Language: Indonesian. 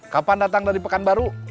kapan datang dari pekanbaru